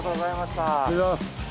失礼します。